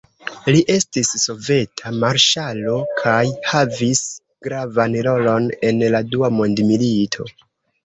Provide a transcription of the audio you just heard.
Li estis soveta marŝalo kaj havis gravan rolon en la dua mondmilito.